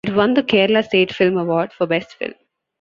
It won the Kerala State Film Award for Best Film.